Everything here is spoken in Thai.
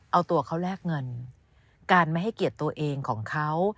เอาตัวเขาแลกเงินการไม่ให้เกียรติตัวเองของเขา